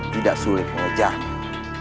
tidak sulit mengejarnya